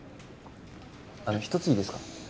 一ついいですか？